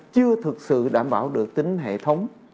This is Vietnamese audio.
chưa thực sự đảm bảo được tính hệ thống